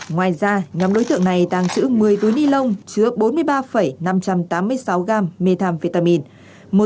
ngoài ra nhóm đối tượng này đang chữ một mươi túi nilon chứa bốn mươi ba năm trăm tám mươi sáu gam methamphetamine